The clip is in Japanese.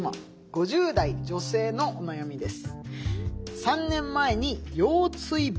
５０代女性のお悩みです。